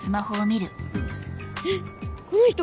えっこの人！